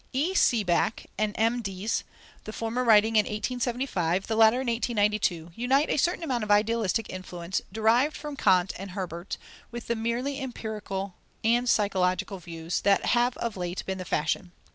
E. Siebeck and M. Diez, the former writing in 1875, the latter in 1892, unite a certain amount of idealistic influence, derived from Kant and Herbart, with the merely empirical and psychological views that have of late been the fashion.